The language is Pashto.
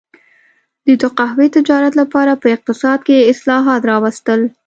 دوی د قهوې تجارت لپاره په اقتصاد کې اصلاحات راوستل.